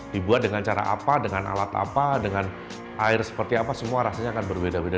dibuat dengan cara apa dengan alat apa dengan air seperti apa semua rasanya akan berbeda beda